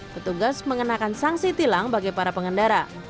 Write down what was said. petugas mengenakan sanksi tilang bagi para pengendara